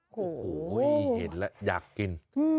โอ้โหเห็นแล้วอยากกิน